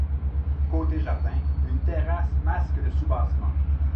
Côté jardin, une terrasse masque le soubassement.